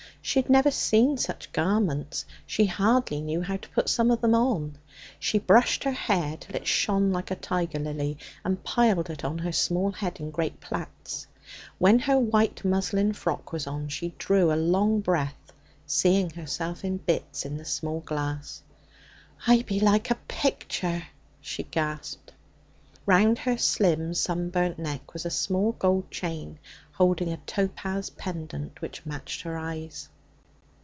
She had never seen such garments; she hardly knew how to put some of them on. She brushed her hair till it shone like a tiger lily, and piled it on her small head in great plaits. When her white muslin frock was on, she drew a long breath, seeing herself in bits in the small glass. 'I be like a picture!' she gasped. Round her slim sun burnt neck was a small gold chain holding a topaz pendant, which matched her eyes.